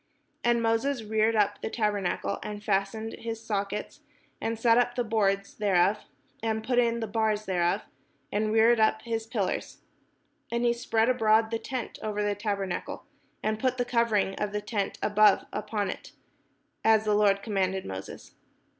And Moses reared up the tabernacle, and fastened his sockets, and set up the boards thereof, and put in the bars thereof, and reared up his pillars. And he spread abroad the tent over the tabernacle, and put the cover ing of the tent above upon it; as the Lord commanded Moses.